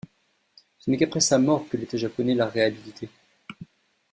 Ce n'est qu'après sa mort que l'État japonais l'a réhabilité.